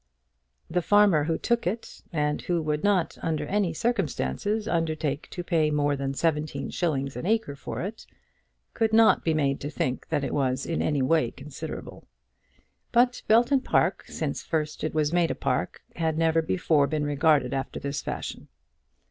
The farmer who took it, and who would not under any circumstances undertake to pay more than seventeen shillings an acre for it, could not be made to think that it was in any way considerable. But Belton Park, since first it was made a park, had never before been regarded after this fashion.